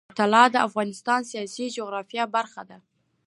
طلا د افغانستان د سیاسي جغرافیه برخه ده.